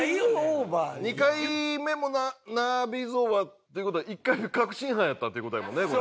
２回目も「なーｉｓｏｖｅｒ」という事は１回目確信犯やったっていう事やもんねこれ。